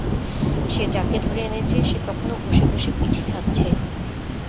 সে যাকে ধরে এনেছে সে তখনো বসে বসে পিঠে খাচ্ছে।